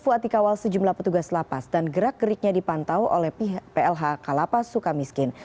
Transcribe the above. fuad dikawal sejumlah petugas lapas dan gerak geriknya dipantau oleh plh kalapas suka miskin